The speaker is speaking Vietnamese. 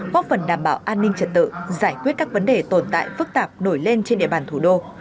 góp phần đảm bảo an ninh trật tự giải quyết các vấn đề tồn tại phức tạp nổi lên trên địa bàn thủ đô